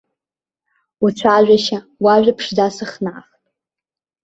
Уцәажәашьа, уажәа ԥшӡа сыхнахт.